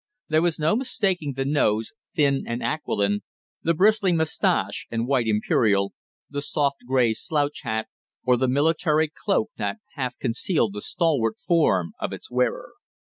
There was no mistaking the nose, thin and aquiline, the bristling mustache and white imperial, the soft gray slouch hat, or the military cloak that half concealed the stalwart form of its wearer.